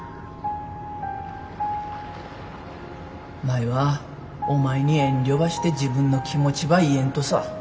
舞はお前に遠慮ばして自分の気持ちば言えんとさ。